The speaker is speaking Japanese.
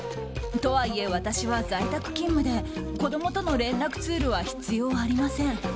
とはいえ、私は在宅勤務で子供との連絡ツールは必要ありません。